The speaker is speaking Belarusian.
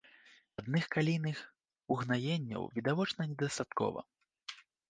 Адных калійных угнаенняў відавочна недастаткова.